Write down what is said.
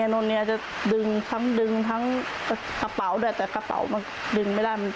โนเนียจะดึงทั้งดึงทั้งกระเป๋าด้วยแต่กระเป๋าดึงไว้ไม่ได้มันหนาไง